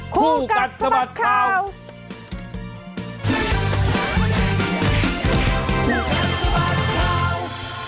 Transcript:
คู่กัดสะบัดข้าวคู่กัดสะบัดข้าว